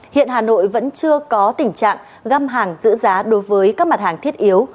hiện hà nội vẫn chưa có tình trạng găm hàng giữ giá đối với các mặt hàng thiết yếu